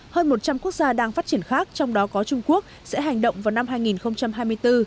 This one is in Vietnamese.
hơn một trăm linh quốc gia đang phát triển khác trong đó có trung quốc sẽ hành động vào năm hai nghìn hai mươi bốn